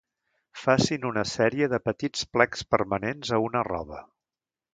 Facin una sèrie de petits plecs permanents a una roba.